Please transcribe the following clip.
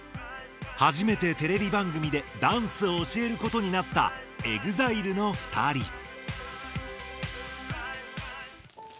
はじめてテレビ番組でダンスを教えることになったＥＸＩＬＥのふたり。